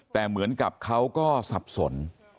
แต่เหมือนกับเขาก็สับสน